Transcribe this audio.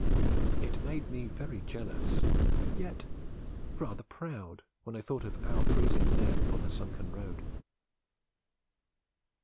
It made me very jealous, yet rather proud, when I thought of our freezing lair upon the sunken road.